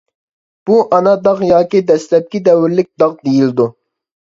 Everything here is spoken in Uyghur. بۇ ئانا داغ ياكى دەسلەپكى دەۋرلىك داغ دېيىلىدۇ.